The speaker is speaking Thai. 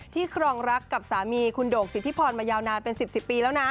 ครองรักกับสามีคุณโด่งสิทธิพรมายาวนานเป็น๑๐ปีแล้วนะ